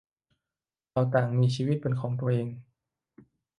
เราต่างก็มีชีวิตเป็นของตัวเอง